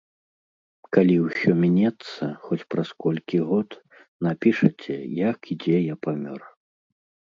Калі ўсё мінецца, хоць праз колькі год, напішаце, як і дзе я памёр.